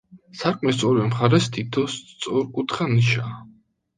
სარკმლის ორივე მხარეს თითო სწორკუთხა ნიშაა.